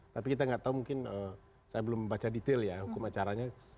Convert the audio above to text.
tapi kita nggak tahu mungkin saya belum baca detail ya hukum acaranya